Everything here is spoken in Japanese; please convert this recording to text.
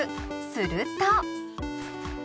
すると。